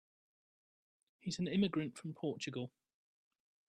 He's an immigrant from Portugal.